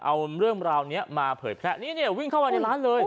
เอาเรื่องราวนี้มาเผยแพร่นี้เนี่ยวิ่งเข้ามาในร้านเลย